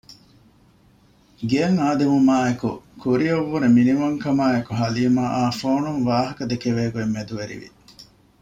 ގެއަށް އާދެވުމާއެކު ކުރިއަށް ވުރެ މިނިވަން ކަމާއެކު ހަލީމައާ ފޯނުން ވާހަކަ ދެކެވޭ ގޮތް މެދުވެރިވި